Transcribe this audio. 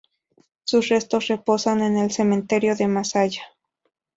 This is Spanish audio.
Sus restos reposan en el Cementerio de Masaya.